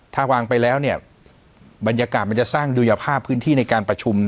ถ้าวางไปแล้วบรรยากาศมันจะสร้างดูยภาพพื้นที่ในการประชุม